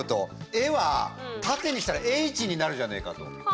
「エ」は、縦にしたら「Ｈ」になるじゃねえかと。